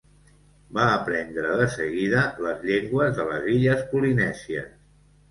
Va aprendre de seguida les llengües de les illes polinèsies.